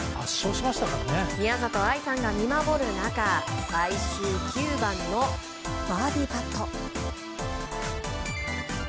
宮里藍さんが見守る中最終９番のバーディーパット。